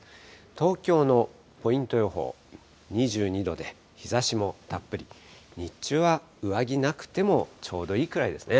東京のポイント予報、２２度で日ざしもたっぷり、日中は上着なくてもちょうどいいくらいですね。